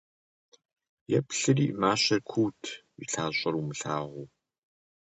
Еплъри - мащэр куут, и лъащӀэр умылъагъуу.